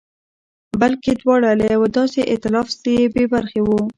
بلکې دواړه له یوه داسې اېتلاف څخه بې برخې وو.